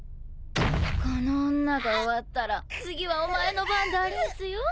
この女が終わったら次はお前の番でありんすよ。